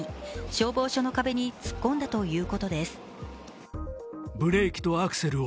消防署の壁に突っ込んだということです。